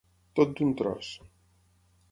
Tot d'un tros.